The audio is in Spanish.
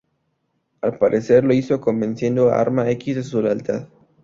Al parecer, lo hizo, convenciendo a Arma X de su lealtad.